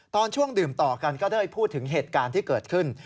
ตอนช่วงดื่มต่อกันก็ได้พูดถึงเหตุการณ์ที่เกิดขึ้น